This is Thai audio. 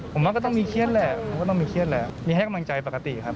ผมว่าก็ต้องมีเครียดแหละมีให้กำลังใจปกติครับ